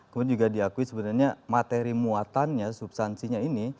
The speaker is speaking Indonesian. kemudian juga diakui sebenarnya materi muatannya substansinya ini